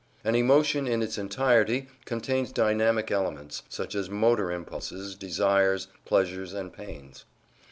An emotion in its entirety contains dynamic elements, such as motor impulses, desires, pleasures and pains.